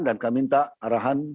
dan kami minta arahan